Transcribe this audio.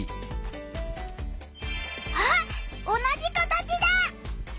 あっ同じ形だ！